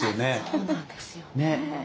そうなんですよね。